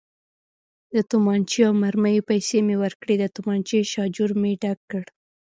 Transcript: د تومانچې او مرمیو پیسې مې ورکړې، د تومانچې شاجور مې ډک کړ.